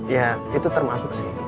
ya itu termasuk sih